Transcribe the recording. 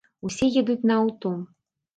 Усе едуць на аўто.